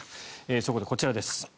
そこでこちらです。